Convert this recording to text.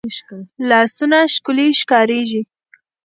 لاسونه ښکلې ښکارېږي